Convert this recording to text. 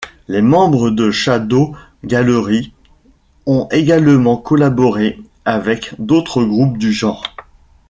Les membres de Shadow Gallery ont également collaboré avec d'autres groupes du genre.